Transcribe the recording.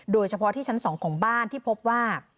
โดยเฉพาะที่ชั้น๒ของบ้านที่พบว่า